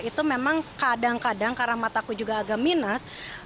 itu memang kadang kadang karena mataku juga agak minas